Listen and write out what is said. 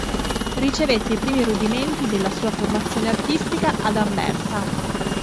Ricevette i primi rudimenti della sua formazione artistica ad Anversa.